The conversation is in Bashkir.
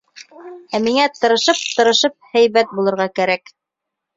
Ә миңә тырышып-тырышып һәйбәт булырға кәрәк.